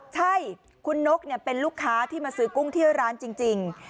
ใช่คุณนกเป็นลูกค้าที่มาซื้อกุ้งเที่ยวร้านจริง